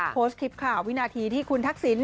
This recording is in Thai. โพสต์คลิปข่าววินาทีที่คุณทักษิณ